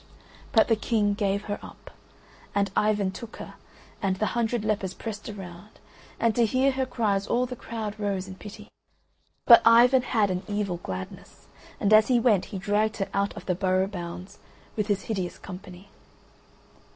But the King gave her up, and Ivan took her, and the hundred lepers pressed around, and to hear her cries all the crowd rose in pity. But Ivan had an evil gladness, and as he went he dragged her out of the borough bounds, with his hideous company.